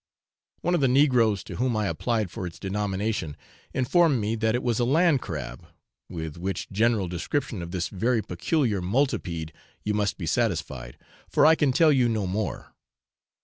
One of the negroes to whom I applied for its denomination informed me that it was a land crab, with which general description of this very peculiar multipede you must be satisfied, for I can tell you no more.